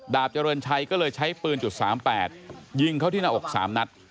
เจริญชัยก็เลยใช้ปืน๓๘ยิงเข้าที่หน้าอก๓นัด